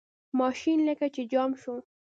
ماشین لکه چې جام شو.